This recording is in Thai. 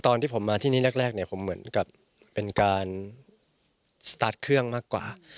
ตอนที่ผมมาที่นี่แรกเนี่ยผมเหมือนกับเป็นการสตาร์ทเครื่องมากกว่า